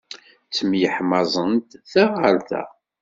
Ttemyeḥmaẓent ta ɣer ta.